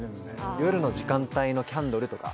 夜の時間帯のキャンドルとか。